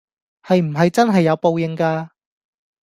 係唔係真係有報應架